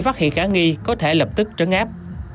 phát hiện khả nghi có thể lập tức trấn áp